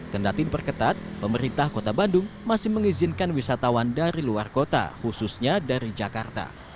kendati diperketat pemerintah kota bandung masih mengizinkan wisatawan dari luar kota khususnya dari jakarta